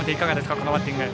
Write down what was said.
このバッティング。